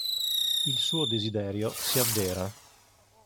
Il suo desiderio si avvera.